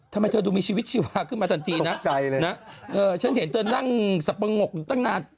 ทำไมเธอดูมีชีวิตชีวาขึ้นมาทันทีนะเออฉันเห็นเธอนั่งสับปะงกอยู่ตั้งนาน